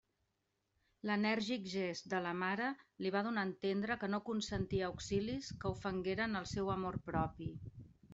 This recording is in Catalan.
L'enèrgic gest de la mare li va donar a entendre que no consentia auxilis que ofengueren el seu amor propi.